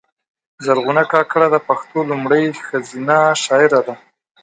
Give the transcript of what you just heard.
زرغونه کاکړه د پښتو لومړۍ ښځینه شاعره وه